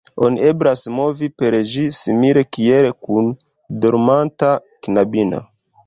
Oni eblas movi per ĝi simile kiel kun dormanta knabino.